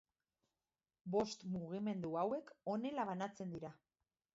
Bost mugimendu hauek honela banatzen dira.